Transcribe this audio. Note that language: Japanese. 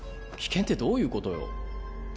危険ってどういうことよ？